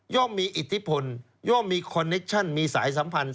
มีอิทธิพลย่อมมีคอนเนคชั่นมีสายสัมพันธ